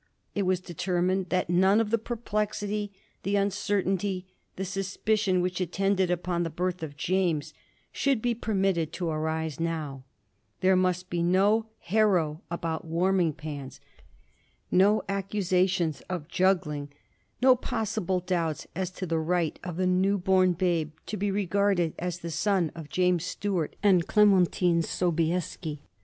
It was determined that none of the perplexity, the uncertainty, the suspicion, which attended upon the birth of James, should be permitted to arise now. There must be no haro about warming pans, no accusations of 200 A BISTORT OF THE FOUR GEORGES. CH.zxzir. t juggling, no possible doubts as to the right of the new born babe to be regarded as the son of James Stuart and of Clementine Sobieski.